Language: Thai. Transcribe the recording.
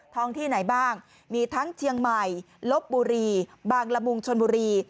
ที่ไหนบ้างมีทั้งเชียงใหม่ลบบุรีบางละมุงชนบุรี